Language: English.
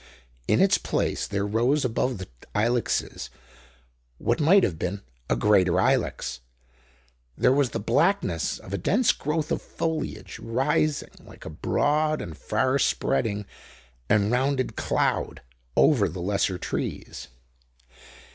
In its place there rose above the ilexes what might have been a greater ilex; there was the blackness of a dense growth of foliage rising like a broad and far spreading and rounded cloud over the lesser trees.